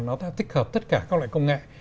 nó ta tích hợp tất cả các loại công nghệ